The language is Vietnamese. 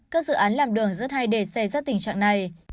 các dự án làm đường rất hay đề xe ra tình trạng này